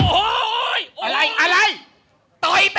โอ้โหอะไรต่อยเต็มหน้าแล้วไม่เห็นเลยพี่ลิงท่านน่ะ